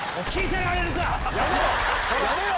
やめろ！